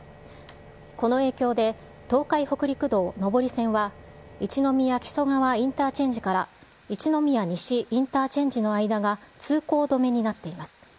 この影響で、東海北陸道上り線は一宮木曽川インターチェンジから一宮西インターチェンジの間が通行止めになっています。